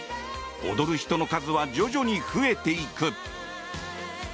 踊る人の数は徐々に増えていく。